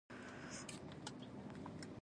دغه بڼ د خلکو په غصب شوې ځمکه کې جوړ شوی و.